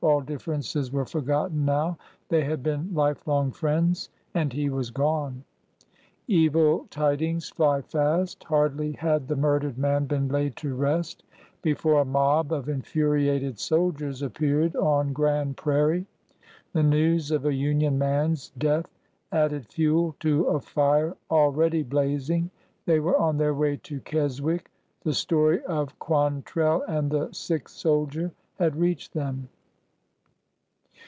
All differences were forgotten now. They had been lifelong friends— and he was gone ! Evil tidings fly fast. Hardly had the murdered man been laid to rest before a mob of infuriated soldiers ap peared on Grand Prairie. The news of a Union man's death added fuel to a fire already blazing. They were on their way to Keswick. The story of Quantrell and the sick soldier had reached them.